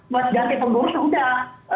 mas ganti pengurus udah